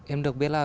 em được biết là